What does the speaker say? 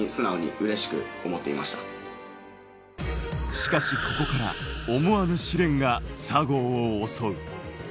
しかし、ここから思わぬ試練が佐合を襲う。